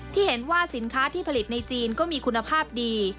ที่เห็นว่าสินค้าที่ผลิตในจีนก็มีคุณภาพดี